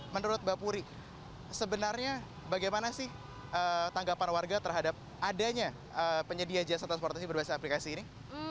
menurut mbak puri sebenarnya bagaimana sih tanggapan warga terhadap adanya penyedia jasa transportasi berbasis aplikasi ini